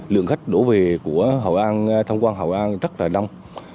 lượng khách đổ về của hậu an thông quan hậu an rất là đông